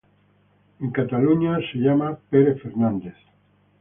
En Cataluña es llamado Pere Fernández.